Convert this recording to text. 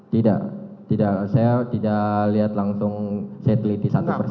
tidak tidak saya tidak lihat langsung saya teliti satu persatu